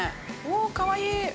おぉ、かわいい。